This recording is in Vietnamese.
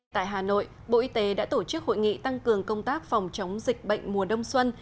tại hà nội bộ y tế đã tổ chức hội nghị tăng cường công tác phòng chống dịch bệnh mùa đông xuân